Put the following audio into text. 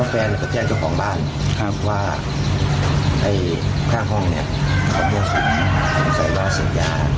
เพราะว่าแฟนคือกุกของบ้านมีห้องเนี้ย